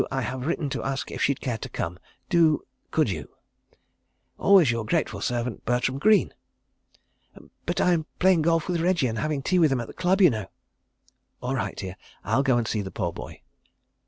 I have written to ask if she'd care to come. Do—could you? 'Always your grateful servant, 'BERTRAM GREENE.' But I am playing golf with Reggie and having tea with him at the Club, you know." "All right, dear. I'll go and see the poor boy."